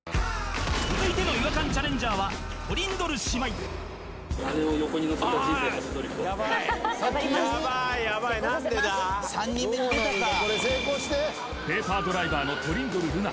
続いての違和感チャレンジャーはトリンドル姉妹はいペーパードライバーのトリンドル瑠奈